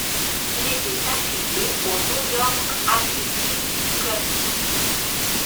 Il était affilié au New York Athletic Club.